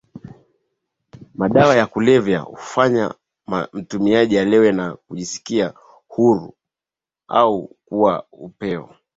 madawa ya kulevya hufanya mtumiaji alewe na ajisikie huru au kuwa upeo